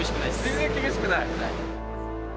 全然厳しくない。